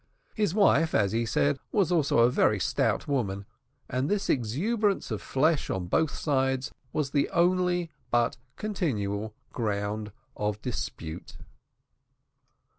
His wife, as he said, was also a very stout woman, and this exuberance of flesh on both sides, was the only, but continual, ground of dispute.